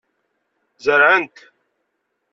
Zerɛent.